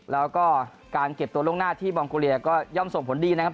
แล้วก็การเก็บตัวล่วงหน้าที่มองโกเลียก็ย่อมส่งผลดีนะครับ